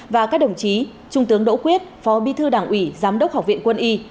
và các đồng chí trung tướng đỗ quyết phó bí thư đảng ủy giám đốc học viện quân y